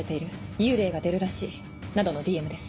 「幽霊が出るらしい」などのＤＭです。